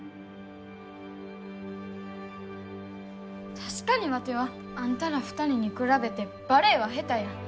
確かにワテはあんたら２人に比べてバレエは下手や。